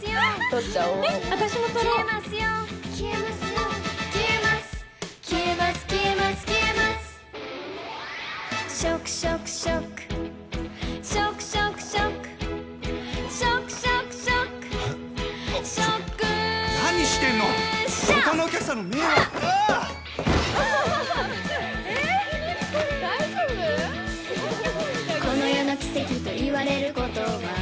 「この世の奇跡といわれることは」